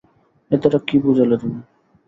এ দ্বারা কী বুঝালে তুমি?